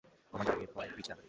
Commander, এরপরের ব্রিজটা!